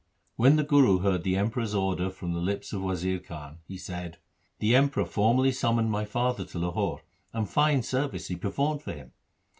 When the Guru heard the Emperor's order from the lips of Wazir Khan, he said, ' The Emperor formerly summoned my father to Lahore, and fine service he performed for him